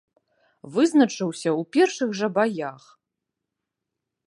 Вызначыўся ў першых жа баях.